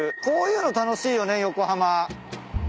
こういうの楽しいよね横浜。